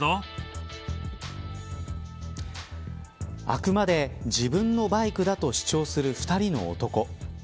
あくまで自分のバイクだと主張する２人の男。